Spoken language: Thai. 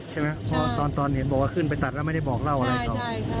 ใช่ไหมพอตอนเห็นบอกว่าขึ้นไปตัดแล้วไม่ได้บอกเล่าอะไรต่อ